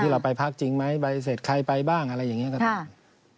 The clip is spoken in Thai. ที่เราไปพักจริงไหมใบเศรษฐค้ายไปบ้างอะไรอย่างนี้ก็ต้อง